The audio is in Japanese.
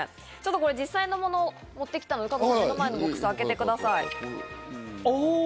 実際のものを持ってきたので、加藤さん、目の前のボックスを開けてください。